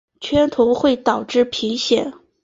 缺铜会导致贫血。